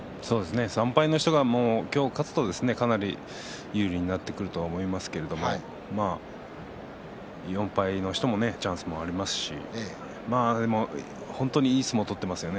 ３敗の人が今日勝つとかなり有利になってくると思いますけど４敗の人もチャンスもありますし本当にいい相撲を取ってますよね。